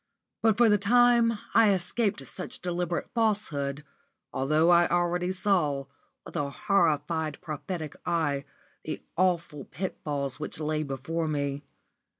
But for the time I escaped much deliberate falsehood, although I already saw, with a horrified prophetic eye, the awful pitfalls which lay before me.